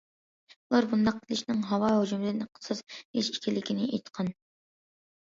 ئۇلار بۇنداق قىلىشنىڭ ھاۋا ھۇجۇمىدىن قىساس ئېلىش ئىكەنلىكىنى ئېيتقان.